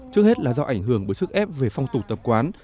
trước hết là do ảnh hưởng bởi sức ép về phong tục tập quán